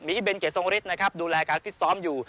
มีเบนเกษงฤทธิ์นะครับดูแลการพิษซ้อมอยู่